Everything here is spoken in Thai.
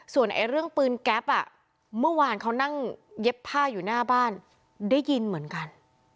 ส่วนเรื่องปืนแก๊ปเมื่อวานเขานั่งเย็บผ้าอยู่หน้าบ้านได้ยินเหมือนกัน